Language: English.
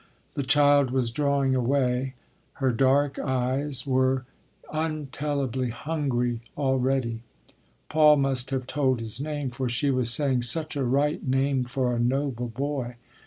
The child was drawing away. Her dark eyes were untellably hungry already. Paul must have told his name, for she was saying: "Such a right name for a noble boy.